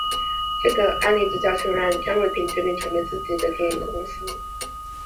这个案例的教训让张伟平决定成立自己的电影公司。